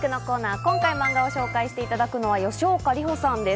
今回、漫画をご紹介していただくのは吉岡里帆さんです。